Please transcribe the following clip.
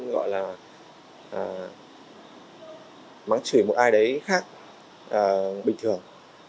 gọi là mắng chửi một ai đấy khác bình thường